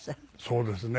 そうですね。